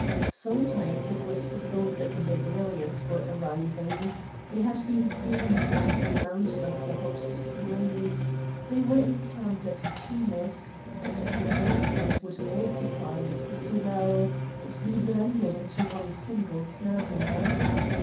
Sometimes it was thought that the Barbarians were arriving; they had been seen behind the mountain of the Hot Springs; they were encamped at Tunis; and the voices would multiply and swell, and be blended into one single clamour.